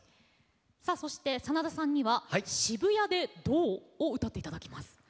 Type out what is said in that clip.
さあそして真田さんには「渋谷でどう？」を歌って頂きます。